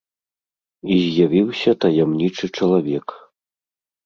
І з'явіўся таямнічы чалавек.